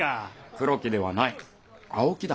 黒木ではない青木だ。